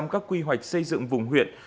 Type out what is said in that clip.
một trăm linh các quy hoạch xây dựng vùng huyện